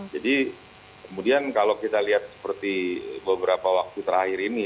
jadi kemudian kalau kita lihat seperti beberapa waktu terakhir ini